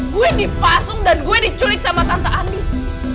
gue dipasung dan gue diculik sama tante andis